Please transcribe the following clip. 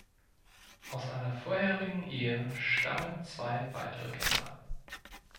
Aus einer vorherigen Ehe stammen zwei weitere Kinder.